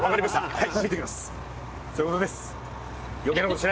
はい。